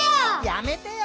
「やめてよ」